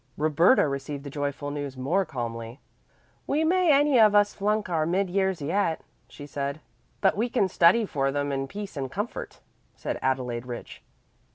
Roberta received the joyful news more calmly. "We may any of us flunk our mid years yet," she said. "But we can study for them in peace and comfort," said Adelaide Rich.